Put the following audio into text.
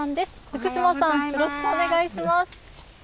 福嶋さん、よろしくお願いします。